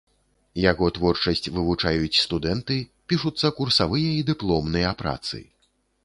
Яго творчасць вывучаюць студэнты, пішуцца курсавыя і дыпломныя працы.